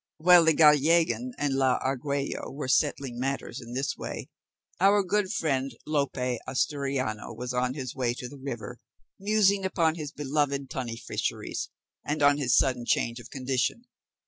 While the Gallegan and la Argüello were settling matters in this way, our good friend, Lope Asturiano, was on his way to the river, musing upon his beloved tunny fisheries and on his sudden change of condition.